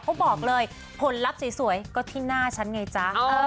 เขาบอกเลยผลลัพธ์สวยก็ที่หน้าฉันไงจ๊ะ